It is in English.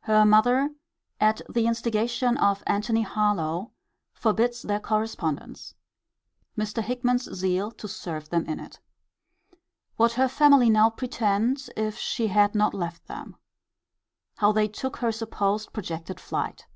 Her mother, at the instigation of Antony Harlowe, forbids their correspondence. Mr. Hickman's zeal to serve them in it. What her family now pretend, if she had not left them. How they took her supposed projected flight.